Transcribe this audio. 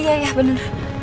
iya iya bener